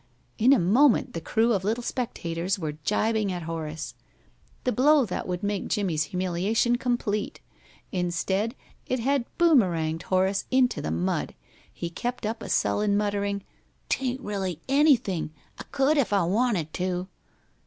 In a moment the crew of little spectators were gibing at Horace. The blow that would make Jimmie's humiliation complete! Instead, it had boomeranged Horace into the mud. He kept up a sullen muttering: "'Tain't really anything! I could if I wanted to!"